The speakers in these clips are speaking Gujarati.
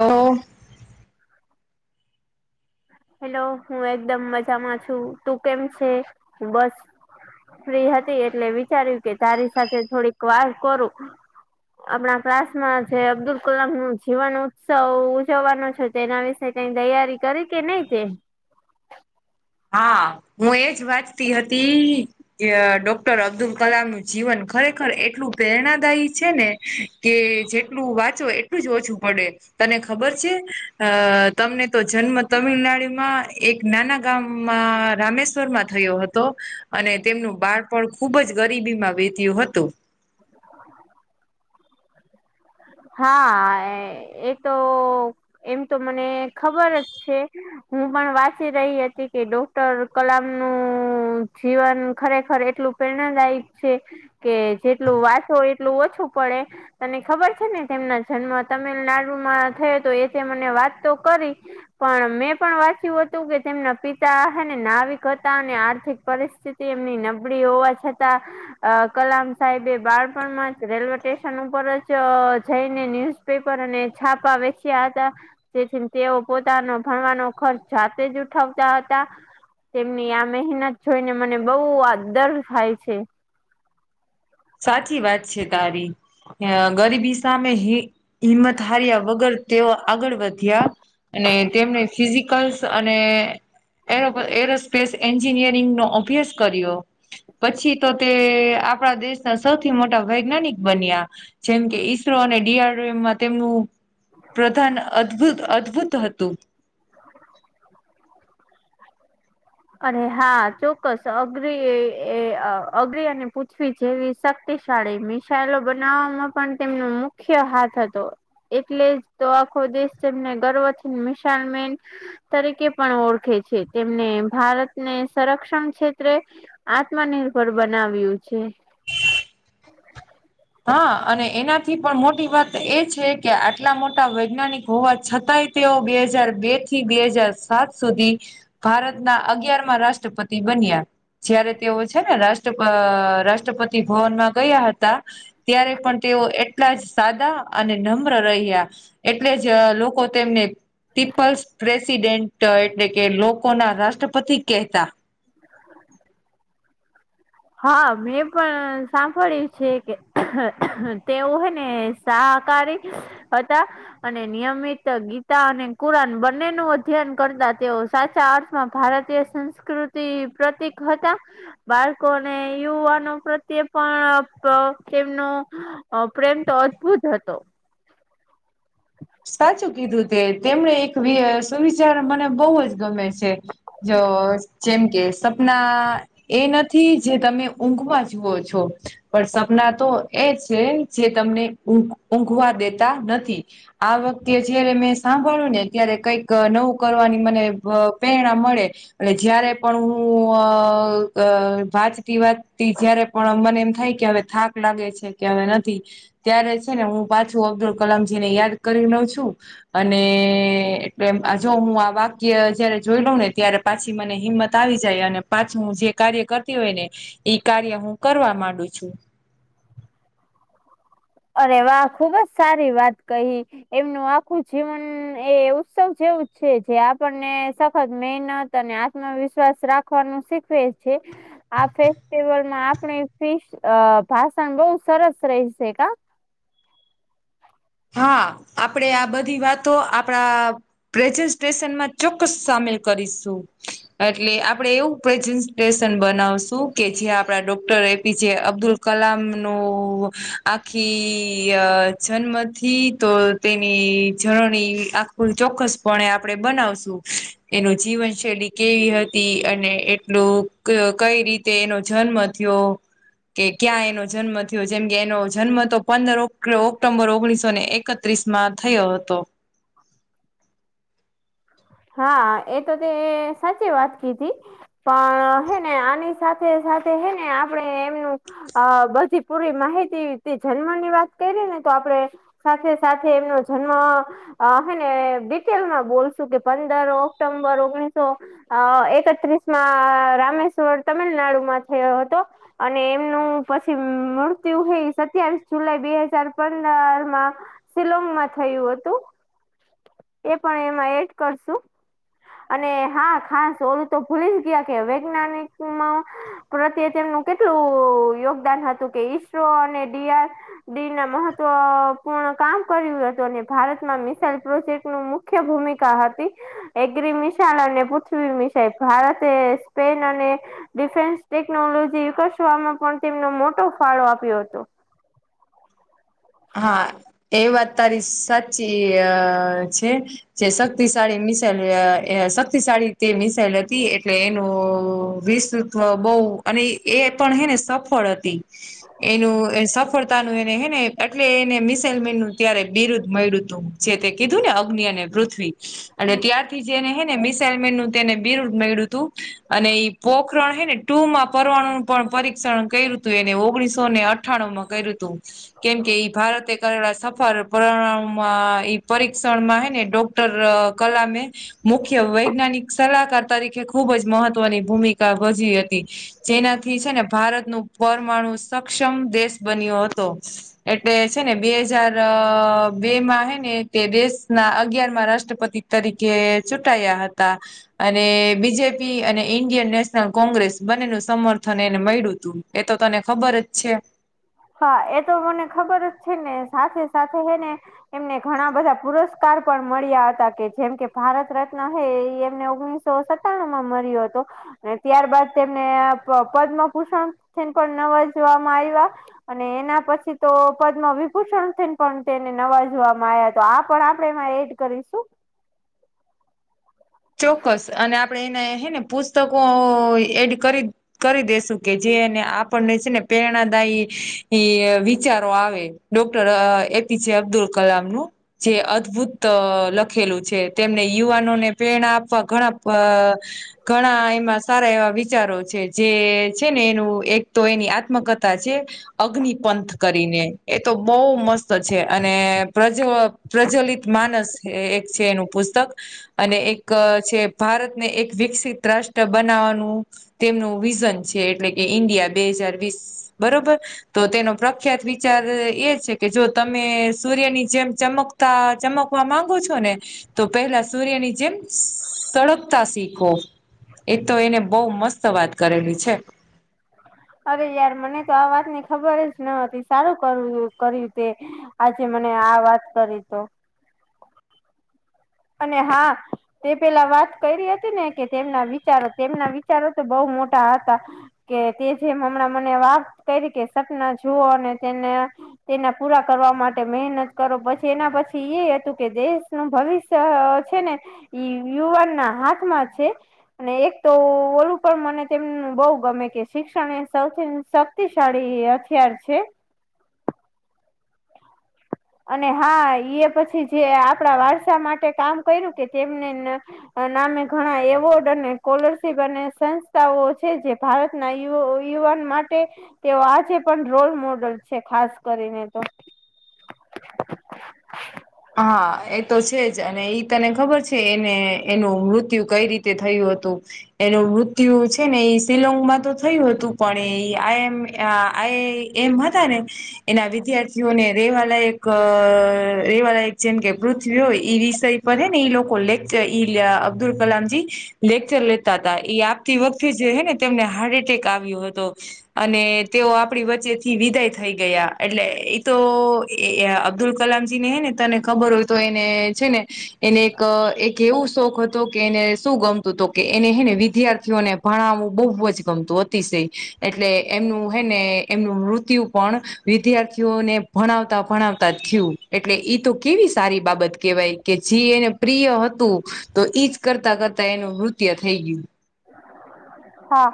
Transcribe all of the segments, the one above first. હ હેલો હું એકદમ મજામા છુ તુ કેમ છે, બસ ફ્રી હતી એટલે વિચાર્યું કે તારી સાથે થોડીક વાર કરુ આપણા ક્લાસમાં જે અબ્દુલ કલામનુ જીવન ઉત્સવ ઉજવવાનો છે. તેના વિશે કઈ તૈયારી કરી કે નહી તે હા હું એજ વાંચતી હતી. અ ડોક્ટર અબ્દુલ કલામ નું જીવન ખરેખર એટલું પ્રેરણાદાયી છેને. કે જેટલું વાંચો એટલું જ ઓછું પડે તને ખબર છે, અ તમને તો જન્મ તમિલનાડુમાં એક નાના ગામમાં રામેશ્વર માં થયો, હતો અને તેમનું બાળપણ ખુબ જ ગરીબી માં વેત્યું હતુ. [inaudible] હા એ તો એમ તો મને ખબર જ છે. હું પણ વાંચી રહી હતી કે ડોક્ટર કલામ નું જીવન ખરેખર એટલુ પ્રેરણાદાયક છે, કે જેટલું વાંચો એટલું ઓછું પડે તને ખબર છે. છે ને તેમના જન્મ તમિલનાડુમાં થયો તો એ છે, મને વાત તો કરી પણ મેં પણ વાંચ્યું હતુ કે તેમના પિતા હને નાવિક હતા અને આર્થિક પરિસ્થિતિ એમની નબળી હોવા છતા. અ કલામ સાહેબે બાળપણમાં રેલવે સ્ટેશન ઉપર જ જઈને ન્યુઝ પેપર અને છાપા વેચ્યા હતા. તેથી તેઓ પોતાનો ભણવાનો ખર્ચ જાતે જ ઉઠાવતા હતા. તેમની આ મહેનત જોઈને, મને બઉુ આદર થાય છે. સાચી વાત છે, તારી અ ગરીબી સામે હિંમત હાર્યા વગર તેઓ આગળ વધ્યા અને તેમને ફિઝિકલ્સ અને એરો એરોસ્પેસ એન્જિનિયરિંગ નો અભ્યાસ કર્ય પછી તો તે આપણા દેશ સૌથી મોટા વૈજ્ઞાનિક બન્યા જેમ કે ઈસરો અને ડીઆરમાં તેમનુ પ્રધાન અદભુત અદભુત હતુ. અરે હા ચોક્કસ અગરી અગરીને પૂછવી જેવી શ શક્તિશાળી મિસાઈલો બનાવવામાં પણ તેમનો મુખ્ય હાથ હતો. એટલે જ તો આખો દેશ જેને ગર્વથી મિશાલ મેન તરીકે પણ ઓળખે છે, તેમને ભારતને સંરક્ષણ ક્ષેત્રે આત્મનિર્ભર બનાવ્યું છે. હા અને એનાથી પણ મોટી વાત એ છે, કે આટલા મોટા વૈજ્ઞાનિક હોવા છતાંય. તેઓ બે હજાર બે થી બે હાજાર સાત સુધી ભારતના અગાર રાષ્ટ્રપતિ બન્યા જયારે તેઓ છે ને રાષ્ટ્ર રાષ્ટ્રપતિ ભવનમાં ગયા હતા. ત્યારે પણ તેઓ એટલા જ સાદા અને નમ્ર રહ્યા. એટલે જ લોકો તેમને પીપલ્સ પ્રેસિડેન્ટ એટલે કે લોકો ના રાષ્ટ્રપતિ કેતા હા મેં પણ સાંભળ્યું છે કે તેવું હોય, ને શાકારી હતા. અને નિયમિત ગીતા અને કુરાન બંને ન અધ્યયન કરતા તેઓ સાચા અર્થમાં ભારતીય. સંસ્કૃતિ પ્રતિક હતા, બાળ કો ને યુવાનો પ્રત્યે પણ પા તેમનો અ પ્રેમ તો અદભુત હતો. સાચું કીધું તે તેમને એક સુવિચાર મને બહુ જ ગમે છે જ જેમ કે સપના એ નથી જે તમે ઊંઘમાં જુઓ છો. પણ સપના તો એ છે જે તમને ઘ ઊંઘવા દેતા નથી. આ વખતે જયારે મેં સાંભળ્યું ને ત્યારે કઈક નવું કરવાની મને આ પ્રેરણા મળે. અને જયારે પણ હું અ વાંચતી વાંચતી જય્યારે પણ મને એમ થાય કે હવે થાક લાગે છે કે હવે નથી. ત્યારે છે ને હું પાછું અબ્દુલ કલામજી ને યાદ કરી લઉં છું. અને એટલે જો હું આ વાક્ય જયારે જોઈ લઉં ને ત્યારે પાછી મને હિંમત આવી જાય અને પાછું હું જે કાર્ય કરતી હોય ને ઈ કાર્ય હું કરવા માંડુ છું. અરે વાહ ખુબ જ સારી વાત કહી. એમનું આખું જીવન એ ઉત્સવ જેવું છે જે આપણને સખત મહેનત તને આત્મવિશ્વાસ રાખવાનું શીખવે છે. આ ફેસ્ટિવલમાં આપણી ફિશ આ ભાષણ બહું સરસ રહીશે કા. હા આપડે આ બધી વાતો આપણા પ્રેઝન્ટેશન માં ચોક્કસ સામેલ કરીશું. એટલે આપડે એવું પ્રેઝન્ટેશન બનાવશું કે જ્યાં આપડા ડોક્ટર એ પી જે અબ્દુલ કલામ નો આખી આ જન્મ થી તો તેની જર્ની આ કુલ ચોક્કસપણે આપડે બનાવશું એનો જીવન શૈલી કેવી હતી અને એટલું કઈ રીતે એનો જન્મ થયો. કે ક્યાં એનો જન્મ થયો જેમ કે એનો જન્મ તો પંદર ઓક્ટો્બર ઓગણીસો સો ને એકત્રીસ માં થયો હતો. [inaudible] હા એ તો તે સાચી વાત કીધી. પણ હે ને આની સાથે સાથે હે ને આપડે એમનું અ બધી પૂરી માહિતી જન્મની વાત કરીએ ને તો આપડે સાથે સાથે એમનો જન્મ આ હે ને ડિટેલમાં બોલશું કે પંદર ઓક્ટોમ્બર ઓગણીસો અ એકત્રીસ માં રામેશ્વર તમિલનાડુમાં થયો હતો. અને એમનું પછી મૃત્યુ હે સત્યાવીસ જુલાઈ બે હાજાર પંદરમાં સિલોંગ માં થયું હતું. એ પણ એમાં એડ કરશું. અને હા ખાસ ઓલું તો ભૂલી જ ગયા કે વૈજ્ઞાનિકમાં પ્રત્યે તેમનું કેટલું યોગદાન હતું કે ઈસરો અને [unintelligible] ડી ના મહત્વપૂર્ણ કામ કર્યું હતું અને ભારતમાં મી [unintelligible] સીટ મુખ્ય ભૂમિકા હતી. એગ્રી મિસલ અને પૃથ્વી મિસલ ભારતે સ્પેન અને ડિફેન્સ ટેકનોલોજી વિકસવામાં પણ તેમનો મોટો ફાળો આપ્યો હતો. હા એ વાત તારી સાચી આ છે. જે શક્તિશાળી મિસાઈલ આ શક્તિશાળી તે મિસાાઈલ હતી એટલે એનું વિસ [unintelligible] બહુ અને એ પણ હેને સફળ હતી. એનું સફળતાનું એને હેને એટલે એને મિસાલ મેનનું ત્યારે બિરુદ્ધ મડ્યું હતું જે તે કીધું ને અગ્નિ અને પૃથ્વી. એટલે ત્યારથી જેને હેને મિસાાઈલ મેનનું તેને [unintelligible] મેળ્યું તું અને પોખરણ હેને ટુર માં પરવાણુ ન પણ પરીક્ષણ કર્યું હતું, એને ઓગણીસો ને અઠ્ઠાણું માં કર્યું હતું. કેમ કે ઈ ભારતે કરેલા સફર પ્રણામમાં પરિક્ષણમાં હેને ડોક્ટર કલામે. [unintelligible] મુખ્ય વૈજ્ઞાનિક સલાહકાર તરીકે ખૂબ જ મહત્વની ભૂમિકા ભજવી હતી. જેનાથી છે, ને ભારતનું પરમાણુ સક્ષમ દેશ બન્યો હતો. એટલે છે, નેબે હજાર બે માં હે નેતે દેશના અગિયારમાં રાષ્ટ્રપતિ. તરીકે ચૂંટાયા હતા, અને બીજેપી અને ઈન્ડિયન નેશનલ કોંગ્રેસ બંનેનું સમર્થન એને મળ્યુંતું. એતો તને ખબર જ છે‌ હા એતો મને ખબર જ છે, ને સાથે સાથે હેને. એમને ઘણા બધા પુરસ્કાર પણ મળ્યા હતા, કે જેમ કે ભારત રત્ન હૈં એ એમને ઓગણીસો. સો સત્તાણુમાં મર્યો હતો. અને ત્યારબાાદ તેમને પદ્મભૂષણ પણ થી નવાજવામાં આવ્યા. અને એના પછી તો પદ્મવિભૂષણ થઈને પણ તેને નવાજવામાં આવ્યા, તોઆ પણ આપણે એમાં એડ. કરીશું, ચોક્કસ અને આપડે એના હેને પુસ્તકો એડ કરી. કરી દેસું કે જેને આપણને છે, ને પ્રેરણાદાયી વિચારો આવે. ડોક્ટર એપીજે અબ્દુલકલામ નું, જે અદભુત લખેલું છે, તેમને યુવાનોને પેણા આપવા ઘણા પ ઘણા એમાં સારા એવા વિચારો છે, જે છે, ને એનું એકતો એની આત્મકથા છે. અગ્નિ પંથ કરીને એતો બહુ મસ્ત છે, અને પ્રજવ પ્રજ્વલિત માનસ એક છે, એનું પુસ્તક અને એક છે, ભારતને એક વિકસિત રાષ્ટ્ર બનાવવાનું. તેમનું વિઝન છે, એટલે કે ઈન્ડિયા બેહજારવીસ બરોબર. તો તેનો પ્રખ્યાત વિચારએ છે, કેજો તમે સૂર્યની જેમ ચમક. ચમકવા માંગો છો, નેતો પહેલા. સૂર્યની જેમ સડગતા શીખો, એતો એને બહુ મસ્ત વાત કરેલી છે, અરે યાર મને તો આ વાતને ખબર જન હતી, સારું કર કર્યું તે. આજે મને આ વાત કરીતો, અને હા, તે પેલા વાત કરી હતી નેકે તેમના વિચારો તેમના વિચારો તો બહુ મોટા હતા. કેતે જેમ હમણાં મને વાત કરીકે સપના જુઓ અને તેને. તેના પૂરા કરવા માટે મહેનત કરો પછી એના પછી એ હતું કે દેશનું ભવિષ્ય. છે, ને યુવાનના હાથમાં છે. અને એક તો ઓલું પણ મને તેમનું બહુ ગમે કે શિક્ષણ એ સૌથી. શક્તિશાળી, હથિયાર છે. અને હાએ પછી જે આપણા વારસા માટે કામ કર્યું કે તેમને, નામે ઘણા એવોર્ડ અને સ્કોલરશીપ અને સંસ્થાઓ છે, જે ભારતના યુ યુવાન માટે, તેઓ આજે પણ રોલ મોડલ છે, ખાસ કરીને તો. હા એ હતો છે, જ અને એઈ તને ખબર છે, એને એનું મૃત્યુ કંઈ રીતે થયું હતું. એનું મૃત્યુ છે ને એ શિલોંગમાં તો થયું હતું પણ એ આમ આ એમ હતા ને એના વિદ્યાર્થીઓને રેવા લાયક એક રેવાળ એક જેમ કે પૃથ્વી હોય એ વિષય પરે ને ઈ લોકો લેખ ઈ અબ્દુલ કલામજી [unintelligible] લેક્ચર લેતા હતા એ આપતી વખતે જે હ ને તેમને હાર્ટ એટેક આવ્યો હતો અને તેઓ આપની વચ્ચે થી વિદાય થઈ ગયા એટલે એ તો અબ્દુલ કલામ ને હેને તને ખબર હોય તો એને છે ને એને એક એક એવું શોખ હતો કે એને શું ગમું [unintelligible] તો કે એને હે ને વિદ્યાર્થીઓને ભણાવવું બહુ જ ગમતું અતિશય એટલે એમનું હે ને એમનું મૃત્યુ પણ વિદ્યાર્થીઓને ભણાવતા ભણાવતા થયું એટલે ઈ તો કેવી સારી બાબત કેહેવાય કે જે એને પ્રિય હતું તો ઈજ કરતા કરતા એનું નૃત્ય થઈ ગયું હા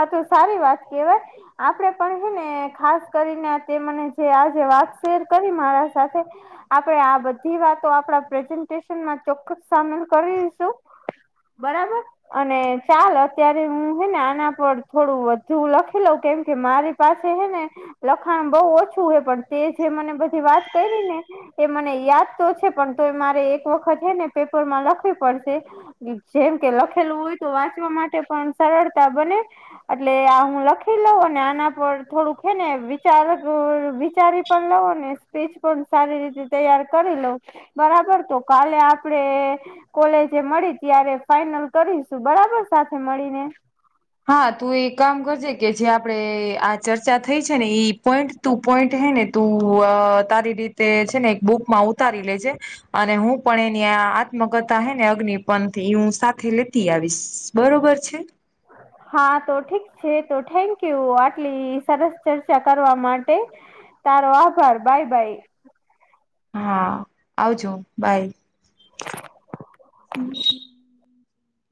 આ તો સારી વાત કેવાય આપડે પણ હે ને ખાસ કરીને તે મને જે આજે વાત શેર કરી મારા સાથે આપડે આ બધી વાતો આપણા પ્રેઝન્ટેશનમાં ચોક્કસ સામેલ કરીશું બરાબર અને ચાલ અત્યારે હું હેને આના પર થોડું વધુ લખે લઉ કેમ કે મારે પાસે હે ને લખાણ બહુ ઓછું હે પણ તે જે મને બધી વાત કરી ને એ મને યાદ તો છે પણ તો એ મારે એક વખત હેને પેપર માં લખવી પડશે. જેમ કે લખેલું હોય તો વાંચવા માટે પણ સરળતા બને એટલે આ હું લખી લઉં આના પર થોડુંક હે ને વિચાર અ વિચારી પણ લવ ને સ્પીચ પણ સારી રીતે તૈયાર કરી લઉ બરાબર તો કાલે આપડે કોલેજે મળીએ ત્યારે ફાઈનલ કરીશું બરાબર સાથે મળીને હા તું એ કામ કરજે કે જે આપણે આ ચર્ચા થઈ છે ને એઈ પોઈન્ટ તું પોઈન્ટ હે ને તું તારી રીતે છે ને એક બુકમાં ઉતારી લેજે અને હું પણ એની આ આત્મકથા હૈ ને અગ્નિપંથ એ હું સાથે લેતી આવીશ બરોબર છે. હા તો ઠીક છે તો થેન્ક યુ આટલી સરસ ચર્ચા કરવા માટે તારો આભાર બાય બાય હા આવજો બાય [inaudible]